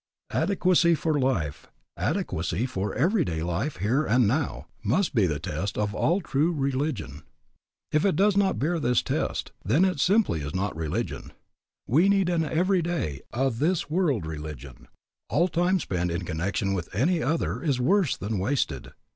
Adequacy for life, adequacy for everyday life here and now, must be the test of all true religion. If it does not bear this test, then it simply is not religion. We need an everyday, a this world religion. All time spent in connection with any other is worse than wasted.